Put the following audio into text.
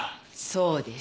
そうです。